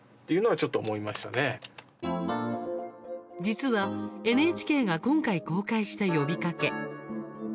実は、ＮＨＫが今回公開した呼びかけ。